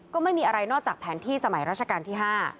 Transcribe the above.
ก็ไม่มีอะไรนอกจากแผนที่สมัยราชการที่๕